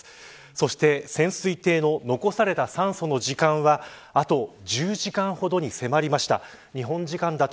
そして、潜水艇の残された酸素の時間はあと１０時間ほどに迫りました。